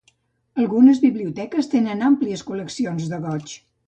Algunes biblioteques tenen àmplies col·leccions de goigs.